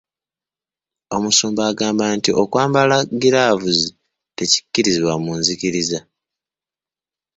Omusumba agamba nti okwambala giraavuzi tekikkirizibwa mu nzikiriza.